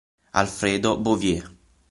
Alfredo Bouvier